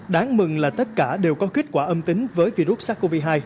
đáng mừng là tất cả đều có kết quả âm tính với virus sars cov hai